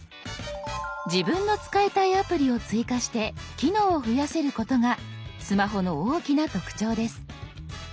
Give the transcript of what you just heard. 自分の使いたいアプリを追加して機能を増やせることがスマホの大きな特徴です。